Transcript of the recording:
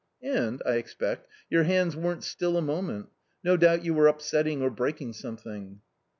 And, I expect, your hands weren't still a moment ! no doubt you were upsetting or breaking some thing."